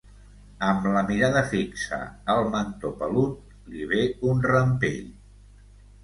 Amb la mirada fixa al mentó pelut, li ve un rampell.